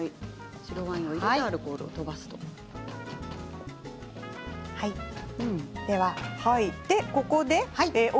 白ワインを入れてアルコールを飛ばすということですね。